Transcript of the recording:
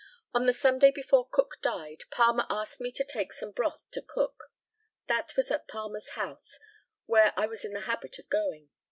On the Sunday before Cook died, Palmer asked me to take some broth to Cook. That was at Palmer's house, where I was in the habit of going.